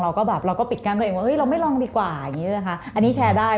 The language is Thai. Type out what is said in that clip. เราก็แบบเราก็ปิดกั้นตัวเองว่าเราไม่ลองดีกว่าอย่างนี้นะคะอันนี้แชร์ได้